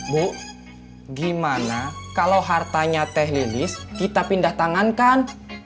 bu gimana kalau hartanya teh lilis kita pindah tangankan